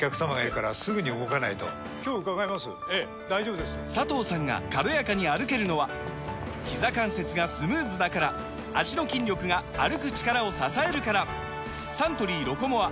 今日伺いますええ大丈夫です佐藤さんが軽やかに歩けるのはひざ関節がスムーズだから脚の筋力が歩く力を支えるからサントリー「ロコモア」！